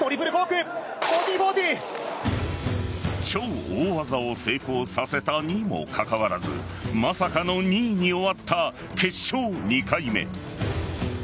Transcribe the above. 超大技を成功させたにもかかわらずまさかの２位に終わった決勝２回目。